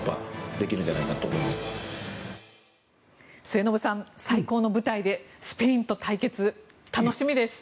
末延さん、最高の舞台でスペインと対決楽しみです。